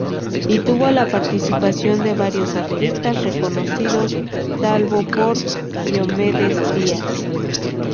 Y tuvo la participación de varios artistas reconocidos salvo por Diomedes Diaz.